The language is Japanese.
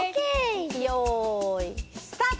よいスタート！